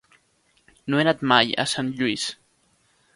No he anat mai a Sant Lluís.